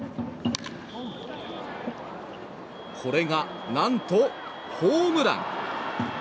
これが何とホームラン！